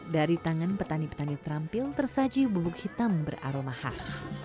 dengan saji bubuk hitam beraroma khas